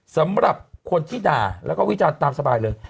สำหรับคนที่ด่าแล้วก็วิจารณ์ตามสบายเลย